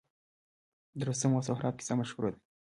د رستم او سهراب کیسه مشهوره ده